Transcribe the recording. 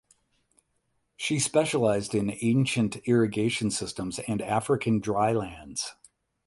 She specialised in ancient irrigation systems and African drylands.